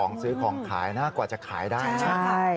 ของซื้อของขายนะกว่าจะขายได้นะ